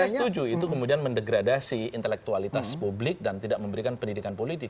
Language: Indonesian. saya setuju itu kemudian mendegradasi intelektualitas publik dan tidak memberikan pendidikan politik